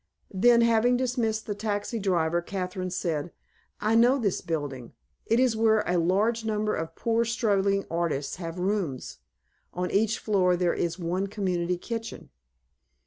Then, having dismissed the taxi driver. Kathryn said: "I know this building. It is where a large number of poor struggling artists have rooms. On each floor there is one community kitchen."